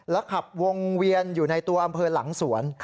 ขับวงเวียนอยู่ในตัวอำเภอหลังสวน